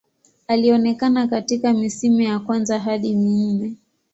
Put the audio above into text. Alionekana katika misimu ya kwanza hadi minne.